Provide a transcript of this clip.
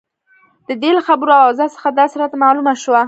د دې له خبرو او اوضاع څخه داسې راته معلومه شوه.